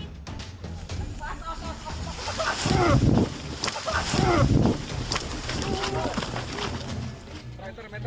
bksda jawa timur